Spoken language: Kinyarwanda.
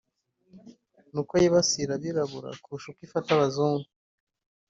ni uko yibasira Abirabura kurusha uko ifata abazungu